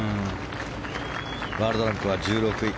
ワールドランクは１６位。